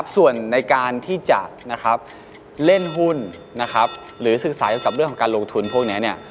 ส่วนในการที่จะเล่นหุ้นหรือศึกษาเกี่ยวกับเรื่องของการลงทุนพวกนี้